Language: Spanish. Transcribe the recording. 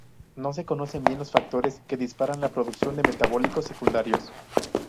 No se conocen bien los factores que disparan la producción de metabolitos secundarios.